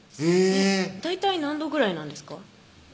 えぇ大体何度ぐらいなんですか？